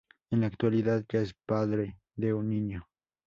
En la actualidad ya es padre de un niño.